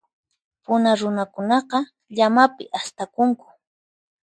Puna runakunaqa, llamapi astakunku.